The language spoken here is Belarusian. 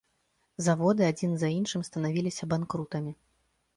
Заводы адзін за іншым станавіліся банкрутамі.